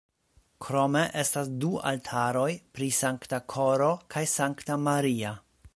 Krome estas du altaroj pri Sankta Koro kaj Sankta Maria.